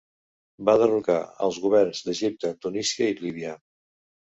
Van derrocar els governs d'Egipte, Tunísia i Líbia.